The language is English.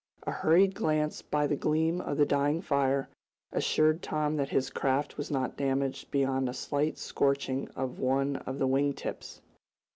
A hurried glance by the gleam of the dying fire assured Tom that his craft was not damaged beyond a slight scorching of one of the wing tips.